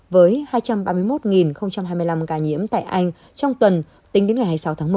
với hai trăm ba mươi một hai mươi năm ca nhiễm tại anh trong tuần tính đến ngày hai mươi sáu tháng một